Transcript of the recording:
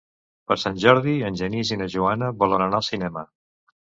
Per Sant Jordi en Genís i na Joana volen anar al cinema.